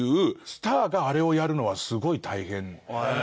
スターがあれをやるのはすごい大変だから。